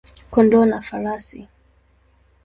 kondoo na farasi.